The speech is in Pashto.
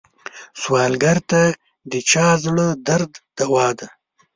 سوالګر ته د چا زړه درد دوا ده